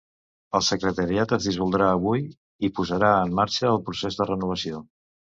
El secretariat es dissoldrà avui i posarà en marxa el procés de renovació.